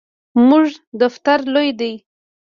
زموږ دفتر لوی دی